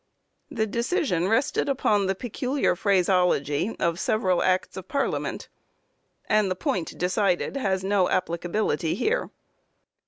The decision rested upon the peculiar phraseology of several Acts of Parliament, and the point decided has no applicability here.